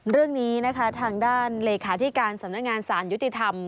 เรื่องนี้นะคะทางด้านเลขาธิการสำนักงานสารยุติธรรม